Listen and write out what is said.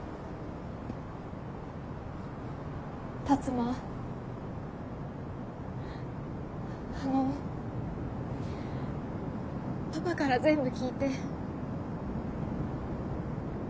辰馬あのパパから全部聞いて。